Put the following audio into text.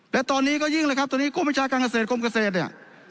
และตอนนี้ก็ยิ่งเลยครับตอนนี้กรมวิชาการเกษตรกรมเกษตรเนี่ย